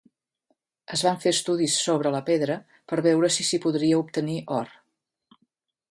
Es van fer estudis sobre la pedra per veure si s’hi podria obtenir or.